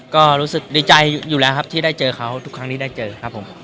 ก็รู้สึกดีใจอยู่แล้วครับที่ได้เจอเขาทุกครั้งนี้ได้เจอครับผม